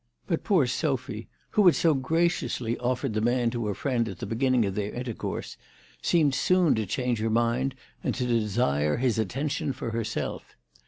But poor Sophy, who had so graciously offered the man to her friend at the beginning of their intercourse, seemed soon to change her mind and to desire his attention for herself.